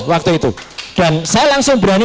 waktu itu dan saya langsung berani